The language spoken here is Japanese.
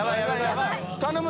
頼む！